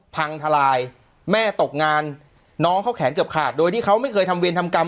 พังทลายแม่ตกงานน้องเขาแขนเกือบขาดโดยที่เขาไม่เคยทำเวรทำกรรม